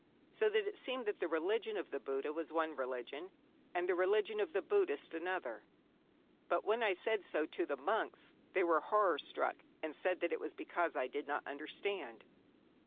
So that it seemed that the religion of the Buddha was one religion, and the religion of the Buddhists another; but when I said so to the monks, they were horror struck, and said that it was because I did not understand.